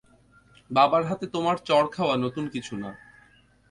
বাবার হাতে তোমার চড় খাওয়া নতুন কিছু না।